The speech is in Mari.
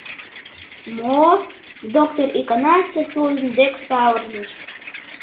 — Мо? — доктыр иканаште тудын дек савырныш.